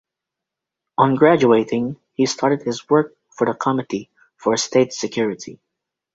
On graduating, he started his work for the Committee for State Security.